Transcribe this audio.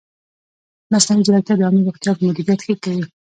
مصنوعي ځیرکتیا د عامې روغتیا مدیریت ښه کوي.